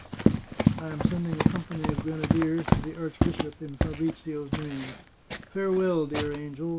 I am sending a company of grenadiers to the arch bishop, in Fabrizio's name. Farewell, dear angel.